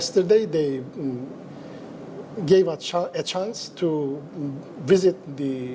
semalam mereka memberikan kesempatan